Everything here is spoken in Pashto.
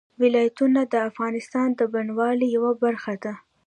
ولایتونه د افغانستان د بڼوالۍ یوه برخه ده.